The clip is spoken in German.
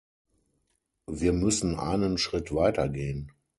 Wir müssen einen Schritt weiter gehen.